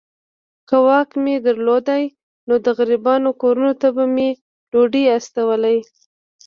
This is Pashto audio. که واک مي درلودای نو د غریبانو کورونو ته به مي ډوډۍ استولې.